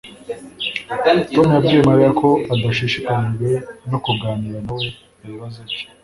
Tom yabwiye Mariya ko adashishikajwe no kuganira nawe ibibazo bye